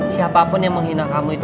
siapapun yang menghina kamu itu